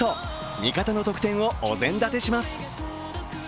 味方の得点をお膳立てします。